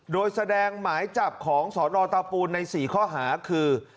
โดยแสดงหมายจับของสนตาปูนใน๔ข้อหาคือ